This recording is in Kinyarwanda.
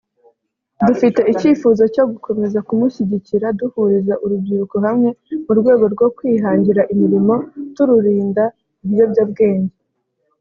dufite icyifuzo cyo gukomeza kumushyigikira duhuriza urubyiruko hamwe mu rwego rwo kwihangira imirimo tururinda ibiyobyabwenge